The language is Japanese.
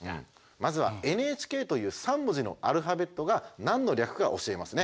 まずはＮＨＫという３文字のアルファベットが何の略か教えますね。